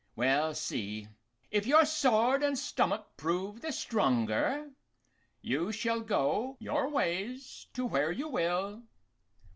Well, see: if your sword and stomach prove the stronger, you shall go your ways to where you will.